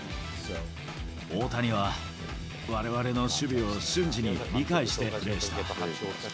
大谷はわれわれの守備を瞬時に理解してプレーした。